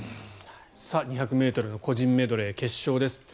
２００ｍの個人メドレー決勝です。